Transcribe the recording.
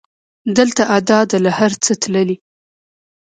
دلته ادا ده له هر څه تللې